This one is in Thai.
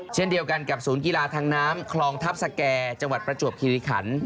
เช่นเดียวกันกับศูนย์กีฬาทางน้ำคลองทัพสแก่จังหวัดประจวบคิริขัน